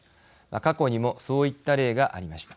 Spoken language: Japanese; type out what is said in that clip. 過去にもそういった例がありました。